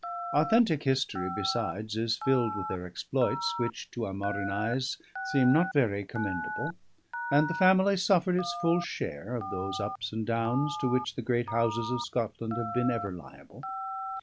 Authentic history besides is filled with their exploits, which (to our modern eyes) seem not very commendable: and the family suffered its full share of those ups and downs to which the great houses of Scotland have been ever liable.